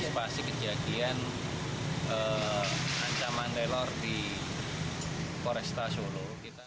dan termasuk antisipasi kejadian ancaman telor di polresta solo